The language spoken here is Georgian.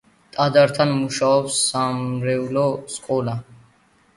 ტაძართან მუშაობს სამრევლო სკოლა.